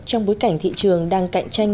trong bối cảnh thị trường đang cạnh tranh